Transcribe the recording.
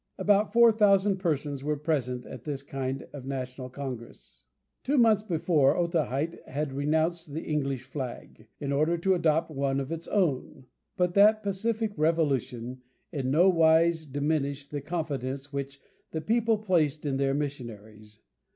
About four thousand persons were present at this kind of national congress." Two months before, Otaheite had renounced the English flag, in order to adopt one of its own, but that pacific revolution in no wise diminished the confidence which the people placed in their missionaries.